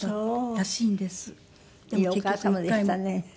いいお母様でしたね。